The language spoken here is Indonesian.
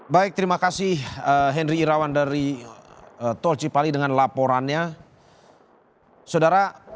baik terima kasih henry irawan dari tol cipali dengan laporannya saudara